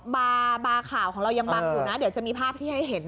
บาร์ข่าวของเรายังบังอยู่นะเดี๋ยวจะมีภาพที่ให้เห็น